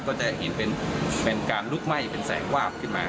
ก็จะเห็นเป็นการลุกไหม้เป็นแสงวาบขึ้นมา